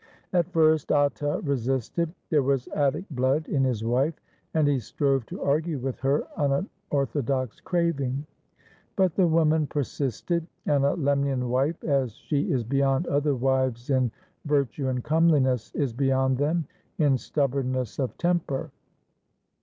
At first Atta resisted. There was Attic blood in his wife, and he strove to argue with her unorthodox craving. But the woman persisted, and a Lemnian wife, as she is beyond other wives in virtue and comeliness, is beyond them in stubbornness of temper.